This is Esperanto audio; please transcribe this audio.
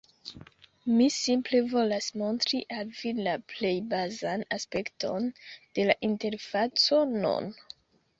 Mi simple volas montri al vi la plej bazan aspekton de la interfaco nun.